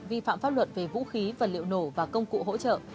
vi phạm pháp luật về vũ khí vật liệu nổ và công cụ hỗ trợ